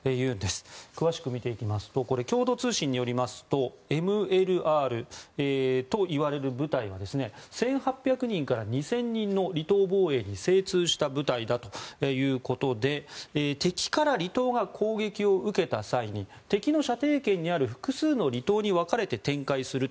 詳しく見ていきますと共同通信によりますとＭＬＲといわれる部隊は１８００人から２０００人の離島防衛に精通した部隊だということで敵から離島が攻撃を受けた際に敵の射程圏にある複数の離島に分かれて展開すると。